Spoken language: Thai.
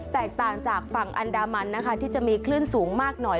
แตกต่างจากฝั่งอันดามันนะคะที่จะมีคลื่นสูงมากหน่อย